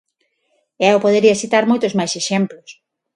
E eu podería citar moitos máis exemplos.